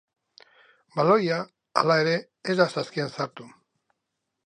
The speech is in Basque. Baloia, hala ere, ez da saskian sartu.